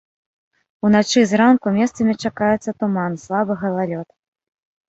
Уначы і зранку месцамі чакаецца туман, слабы галалёд.